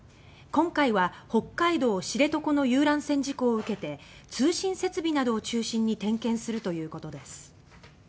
今年は、北海道知床の遊覧船事故を受けて通信設備などを中心に点検するということです。